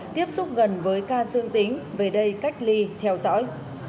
tiếp xúc gần với ca dương tính về đây cách ly theo dõi